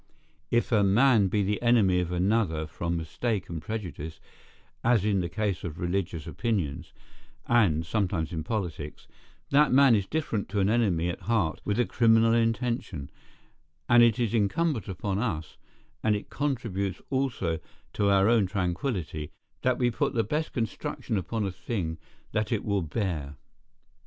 If a man be the enemy of another from mistake and prejudice, as in the case of religious opinions, and sometimes in politics, that man is different to an enemy at heart with a criminal intention; and it is incumbent upon us, and it contributes also to our own tranquillity, that we put the best construction upon a thing that it will bear.